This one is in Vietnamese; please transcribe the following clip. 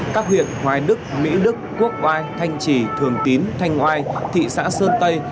các huyện hoài đức mỹ đức quốc oai thanh trì thường tín thanh oai thị xã sơn tây